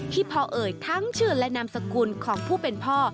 พ่อเอ่ยทั้งชื่อและนามสกุลของผู้เป็นพ่อ